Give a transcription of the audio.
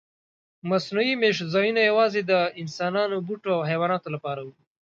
مصنوعي میشت ځایونه یواځې د انسانانو، بوټو او حیواناتو لپاره وو.